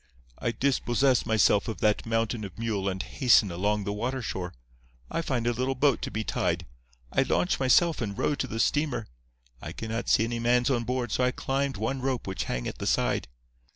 I dispossess myself of that mountain of mule and hasten along the water shore. I find a little boat to be tied. I launch myself and row to the steamer. I cannot see any mans on board, so I climbed one rope which hang at the side.